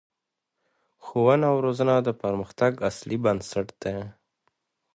ښوونه او روزنه د پرمختګ اصلي بنسټ دی